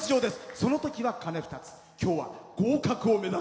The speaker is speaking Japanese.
そのときは鐘２つ。